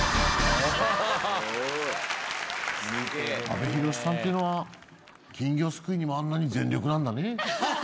阿部寛さんっていうのは金魚すくいにもあんなに全力なんだね。